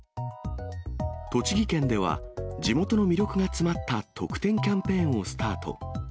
栃木県では、地元の魅力が詰まった特典キャンペーンをスタート。